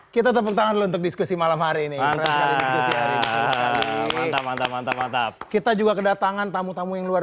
kita tepuk tangan untuk diskusi malam hari ini kita juga kedatangan tamu tamu yang luar